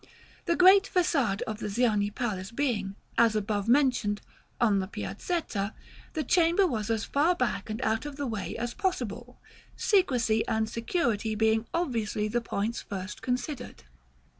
The great façade of the Ziani Palace being, as above mentioned, on the Piazzetta, this chamber was as far back and out of the way as possible; secrecy and security being obviously the points first considered.